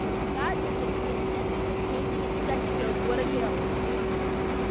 That visit began decades of painting and sketching those wooded hills.